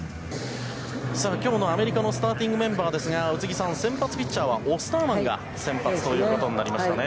さあ、きょうのアメリカのスターティングメンバーですが、宇津木さん、先発ピッチャーはオスターマンが先発ということになりましたね。